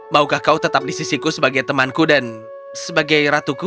maukah kau tetap di sisiku sebagai temanku dan sebagai ratuku